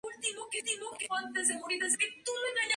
Existen versiones en diferentes idiomas.